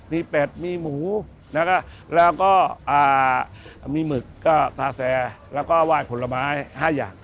มีเป็ดมีหมูแล้วก็มีหมึกก็ซาแซแล้วก็ไหว้ผลไม้๕อย่าง